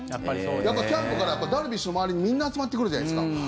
やっぱりキャンプからダルビッシュの周りにみんな集まってくるじゃないですか。